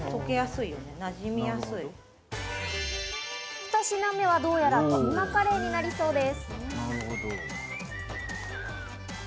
ふた品目はどうやらキーマカレーになりそうです。